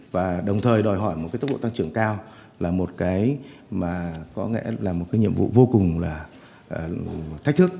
và đồng thời đòi hỏi một tốc độ tăng trưởng cao là một nhiệm vụ vô cùng thách thức